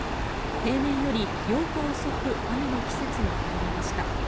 平年より８日遅く雨の季節に入りました。